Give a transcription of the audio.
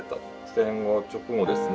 戦後直後ですね。